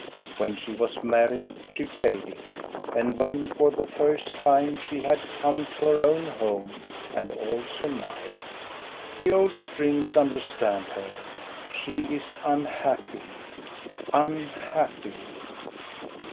When she was mar ried she played it, and when for the first time she had come to her own home, and also now. The old strings understand her : she is unhappy, unhappy.